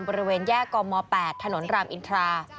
บริเวณแยกกม๘ถนนรามอินทรา